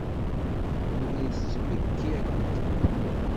Marie tettbekkiṛ-d.